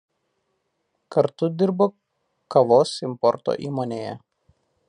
Kartu dirbo kavos importo įmonėje.